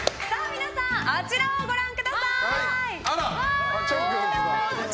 皆さん、あちらをご覧ください。